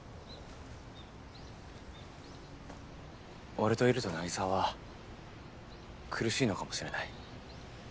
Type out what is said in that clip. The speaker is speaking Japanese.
俺といると凪沙は苦しいのかもしれない。